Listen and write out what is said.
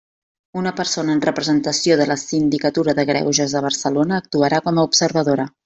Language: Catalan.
Una persona en representació de la Sindicatura de Greuges de Barcelona actuarà com a observadora.